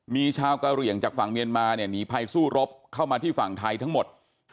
มีชาวกะเหลี่ยงจากฝั่งเมียนมาเนี่ยหนีภัยสู้รบเข้ามาที่ฝั่งไทยทั้งหมด